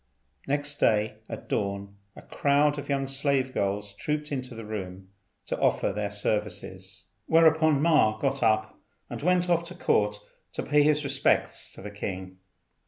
Next day at dawn a crowd of young slave girls trooped into the room to offer their services; whereupon Ma got up and went off to Court to pay his respects to the king.